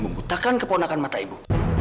membutakan keponakan mata ibu